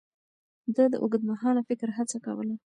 ده د اوږدمهاله فکر هڅه کوله.